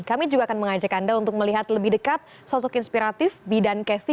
kami juga akan mengajak anda untuk melihat lebih dekat sosok inspiratif bidan casti